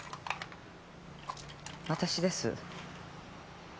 私です。